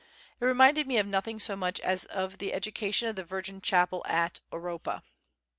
It reminded me of nothing so much as of the Education of the Virgin Chapel at Oropa.